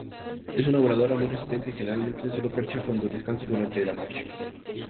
Es una voladora muy resistente, generalmente solo percha cuando descansa durante la noche.